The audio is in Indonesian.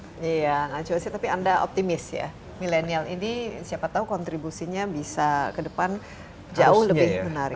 iya ngacau sih tapi anda optimis ya millenial ini siapa tau kontribusinya bisa ke depan jauh lebih menarik